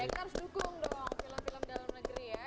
engkau harus dukung dong film film dalam negeri ya